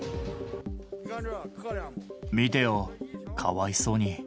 見てよ、かわいそうに。